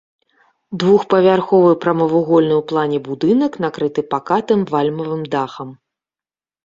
Двухпавярховы прамавугольны ў плане будынак накрыты пакатым вальмавым дахам.